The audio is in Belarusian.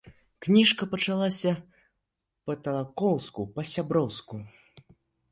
Кніжка пачалася па-талакоўску, па-сяброўску.